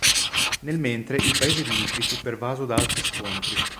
Nel mentre il paese di Itri fu pervaso da altri scontri.